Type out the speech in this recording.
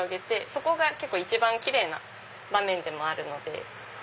そこが一番キレイな場面でもあるので。